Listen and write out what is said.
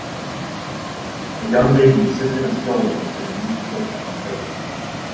A young baby sits in a stroller with an amused look on his face